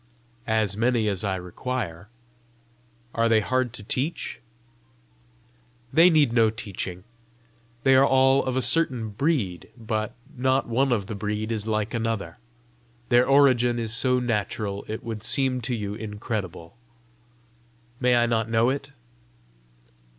"As many as I require." "Are they hard to teach?" "They need no teaching. They are all of a certain breed, but not one of the breed is like another. Their origin is so natural it would seem to you incredible." "May I not know it?"